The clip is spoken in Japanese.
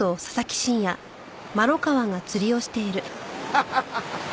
ハハハハ！